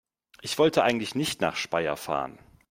Ich wollte eigentlich nicht nach Speyer fahren